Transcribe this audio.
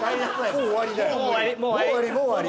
もう終わりだよもう終わり？